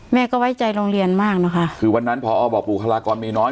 แม่ก็ไว้ใจโรงเรียนมากนะคะคือวันนั้นพอบอกบุคลากรมีน้อย